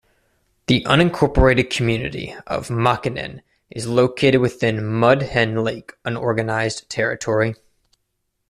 The unincorporated community of Makinen is located within Mud Hen Lake Unorganized Territory.